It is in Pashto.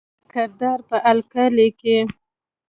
د کردار پۀ حقله ليکي: